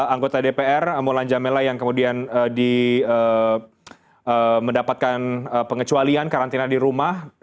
anggota dpr mulan jamela yang kemudian mendapatkan pengecualian karantina di rumah